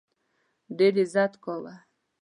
ډېر عزت کاوه.